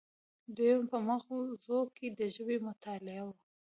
دویمه په مغزو کې د ژبې مطالعه وه